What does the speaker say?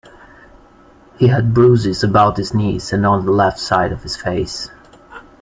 He had bruises about his knees and on the left side of his face.